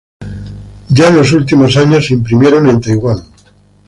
Ya en los últimos años se imprimieron en Taiwán.